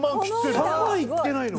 ３万いってないの？